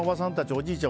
おじいちゃん